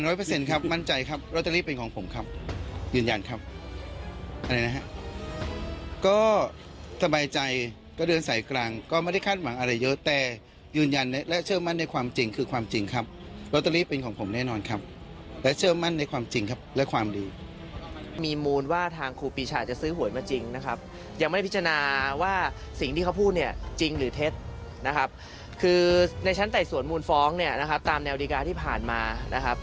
วันที่สุดครับวันที่สุดครับวันที่สุดครับวันที่สุดครับวันที่สุดครับวันที่สุดครับวันที่สุดครับวันที่สุดครับวันที่สุดครับวันที่สุดครับวันที่สุดครับวันที่สุดครับวันที่สุดครับวันที่สุดครับวันที่สุดครับวันที่สุดครับวันที่สุดครับวันที่สุดครับวันที่สุดครับวันที่สุดครับวัน